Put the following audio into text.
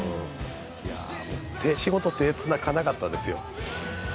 仕事、手がつかなかったですよ。